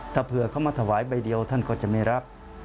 ถ้าเผื่อเขามาถวายใบเดียวท่านก็จะไม่รับ